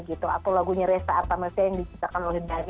atau lagunya resta artamasia yang diciptakan oleh dari